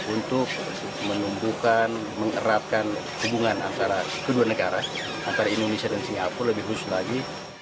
untuk menumbuhkan menerapkan hubungan antara kedua negara antara indonesia dan singapura lebih khusus lagi